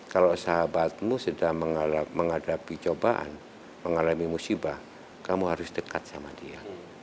kalau sahabatmu sedang menghadapi cobaan mengalami musibah kamu harus dekat sama dia